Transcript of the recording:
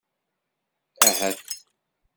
Ahat.